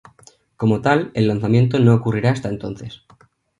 Como tal, el lanzamiento no ocurrirá hasta entonces.